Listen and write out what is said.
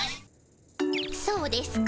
そうですか？